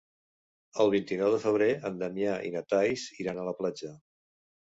El vint-i-nou de febrer en Damià i na Thaís iran a la platja.